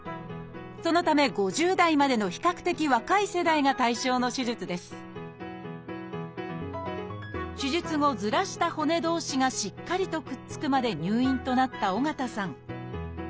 そのため５０代までの比較的若い世代が対象の手術です手術後ずらした骨同士がしっかりとくっつくまで入院となった緒方さん。